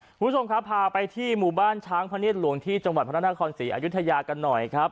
คุณผู้ชมครับพาไปที่หมู่บ้านช้างพระเนียดหลวงที่จังหวัดพระนครศรีอายุทยากันหน่อยครับ